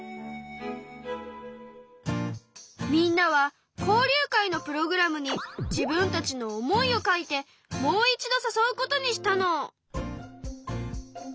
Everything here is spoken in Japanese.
みんなは交流会のプログラムに自分たちの思いを書いてもう一度さそうことにしたの。